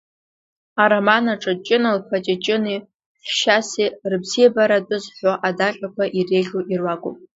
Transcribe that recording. Ароман аҿы Ҷына-лԥа Ҷыҷыни Хьшьасеи рыбзиабара атәы зҳәо адаҟьақәа иреиӷьу ируакуп.